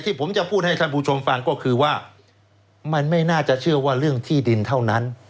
ผมจะพูดให้ท่านผู้ชมฟังก็คือว่ามันไม่น่าจะเชื่อว่าเรื่องที่ดินเท่านั้น